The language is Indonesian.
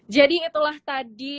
jadi itulah tadi